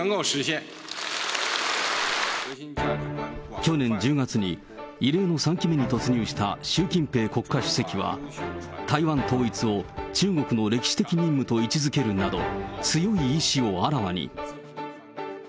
去年１０月に、異例の３期目に突入した習近平国家主席は、台湾統一を中国の歴史的任務と位置づけるなど、強い意志をあらわに。